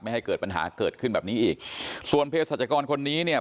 ให้เกิดปัญหาเกิดขึ้นแบบนี้อีกส่วนเพศรัชกรคนนี้เนี่ย